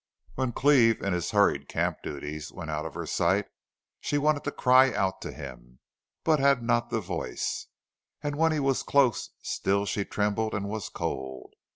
When Cleve, in his hurried camp duties, went out of her sight, she wanted to cry out to him, but had not the voice; and when he was close still she trembled and was cold.